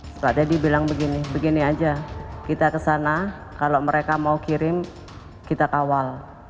suka deddy bilang begini begini aja kita kesana kalau mereka mau kirim kita kawal